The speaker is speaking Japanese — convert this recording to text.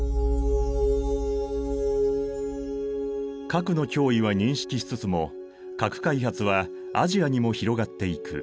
核の脅威は認識しつつも核開発はアジアにも広がっていく。